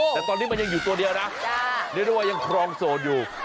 แต่ตอนนี้มันยังอยู่ตัวเดียวนะเรียกได้ว่ายังครองโสดอยู่